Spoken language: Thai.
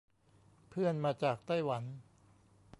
เพื่อนมาจากไต้หวัน